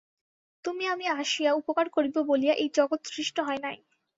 তুমি আমি আসিয়া উপকার করিব বলিয়া এই জগৎ সৃষ্ট হয় নাই।